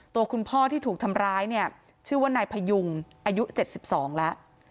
ตัวคุณพ่อที่ถูกทำร้ายเนี่ยชื่อว่านายพยุงอายุ๗๒แล้ว